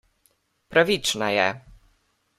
Pravična je.